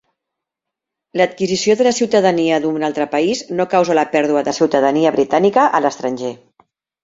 L'adquisició de la ciutadania d'un altre país no causa la pèrdua de ciutadania britànica a l'estranger.